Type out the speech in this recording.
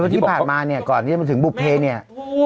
ที่ผ่านมาเนี่ยก่อนที่จะมาถึงบุภเพเนี่ย